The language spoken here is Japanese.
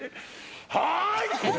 はい！